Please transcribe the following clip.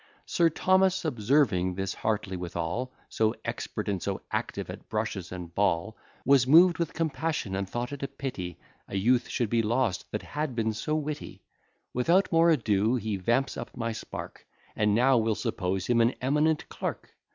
Sir Thomas, observing this Hartley withal So expert and so active at brushes and ball, Was moved with compassion, and thought it a pity A youth should be lost, that had been so witty: Without more ado, he vamps up my spark, And now we'll suppose him an eminent clerk!